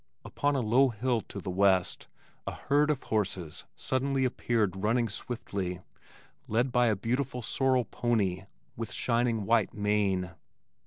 Upon a low hill to the west a herd of horses suddenly appeared running swiftly, led by a beautiful sorrel pony with shining white mane.